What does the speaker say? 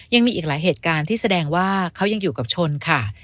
ยังมีอีกหลายเหตุการณ์ที่แสดงว่าเขายังอยู่กับชนค่ะ